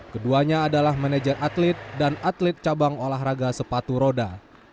keduanya adalah manajer atlet dan atlet cabang olahraga sepatu roda